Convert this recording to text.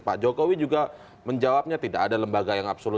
pak jokowi juga menjawabnya tidak ada lembaga yang absolut